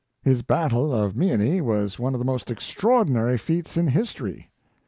His battle of Meeanee was one of the most extraordinary feats in history.